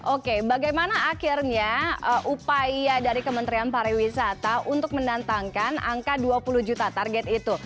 oke bagaimana akhirnya upaya dari kementerian pariwisata untuk menantangkan angka dua puluh juta target itu